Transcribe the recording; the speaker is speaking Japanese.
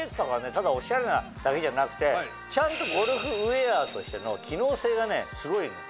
ただおしゃれなだけじゃなくてちゃんとゴルフウェアとしての機能性がねすごいの。